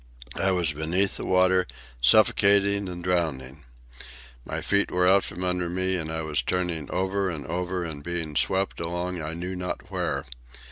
I was beneath the water, suffocating and drowning. My feet were out from under me, and I was turning over and over and being swept along I knew not where.